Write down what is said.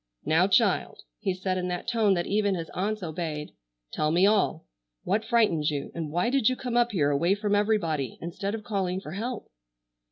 "Now, child," he said in that tone that even his aunts obeyed, "tell me all. What frightened you, and why did you come up here away from everybody instead of calling for help?"